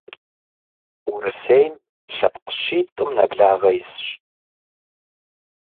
Урысейм лъэпкъ щитӏым нэблагъэ исщ.